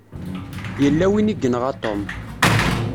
Yella win i yenɣa Tom.